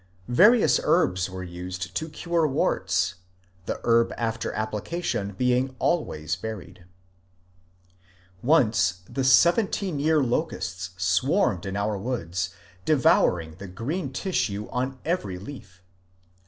Various herbs were used to cure warts, the herb after application being always buried. Once the seventeen year locusts swarmed in our woods, de vouring the green tissue in every leaf.